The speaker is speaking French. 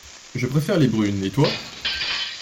Je préfère les brunes, et toi?